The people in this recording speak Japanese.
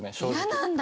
嫌なんだ！